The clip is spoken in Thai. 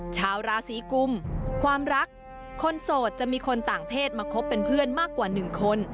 ชาวราศีกุมความรักคนโสดจะมีคนต่างเพศมาคบเป็นเพื่อนมากกว่า๑คน